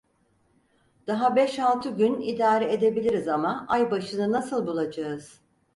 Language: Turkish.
Daha beş altı gün idare edebiliriz ama, ay başını nasıl bulacağız?